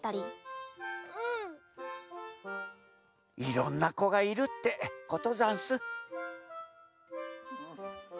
いろんなこがいるってことざんす。